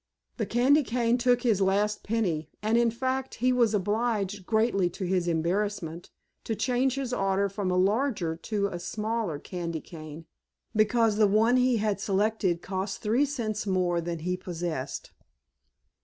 The candy cane took his last penny, and, in fact, he was obliged, greatly to his embarrassment, to change his order from a larger to a smaller candy cane, because the one he had selected cost three cents more than he possessed.